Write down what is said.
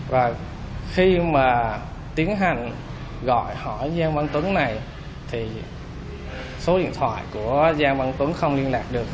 và khi mà tiến hành gọi hỏi giang văn tuấn này thì số điện thoại của giang văn tuấn không liên lạc được